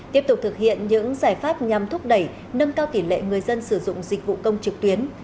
tiếp tục thực hiện những giải pháp nhằm thúc đẩy nâng cao tỷ lệ người dân sử dụng dịch vụ công trực tuyến